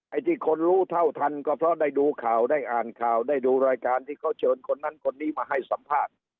ไอ้ที่คนรู้เท่าทันก็เพราะได้ดูข่าวได้อ่านข่าวได้ดูรายการที่เขาเชิญคนนั้นคนนี้มาให้สัมภาษณ์